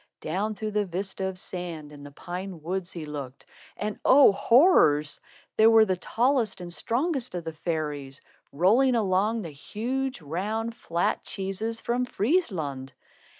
Down through the vista of sand, in the pine woods, he looked, and oh, horrors! There were the tallest and strongest of the fairies rolling along the huge, round, flat cheeses from Friesland!